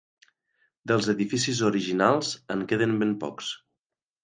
Dels edificis originals, en queden ben pocs.